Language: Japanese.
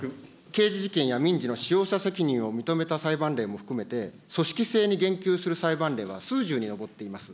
刑事事件や民事の使用者責任を認めた裁判例も含めて、組織性に言及する裁判例は数十に上っています。